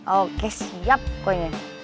oke siap pokoknya